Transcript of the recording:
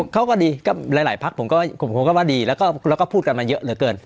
เขาก็ดีก็หลายพักผมก็ว่าดีแล้วก็พูดกันมาเยอะเหลือเกิน